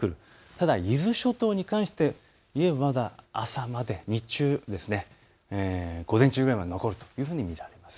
ただ伊豆諸島に関していえば朝まで日中、午前中くらいまで残るというふうに見られます。